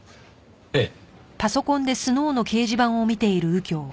ええ。